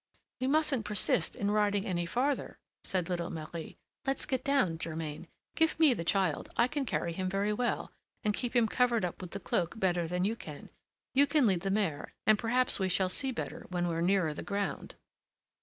"We mustn't persist in riding any farther," said little Marie. "Let's get down, Germain; give me the child; I can carry him very well, and keep him covered up with the cloak better than you can. You can lead the mare, and perhaps we shall see better when we're nearer the ground."